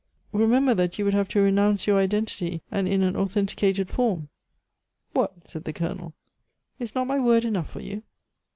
"Remember that you would have to renounce your identity, and in an authenticated form." "What?" said the Colonel. "Is not my word enough for you?"